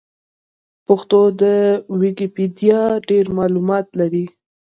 پښتو ويکيپېډيا ډېر معلومات لري.